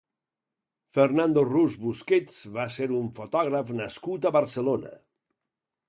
Fernando Rus Busquets va ser un fotògraf nascut a Barcelona.